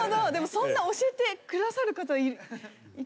そんな教えてくださる方いたんだって。